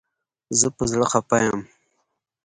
زه په زړه خپه یم